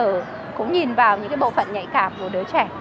bao giờ cũng nhìn vào những bộ phận nhạy cạp của đứa trẻ